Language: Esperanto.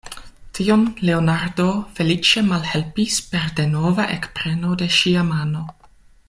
Tion Leonardo feliĉe malhelpis per denova ekpreno de ŝia mano.